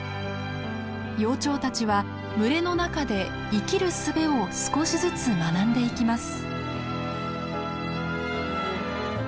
幼鳥たちは群れの中で生きるすべを少しずつ学んでいきます。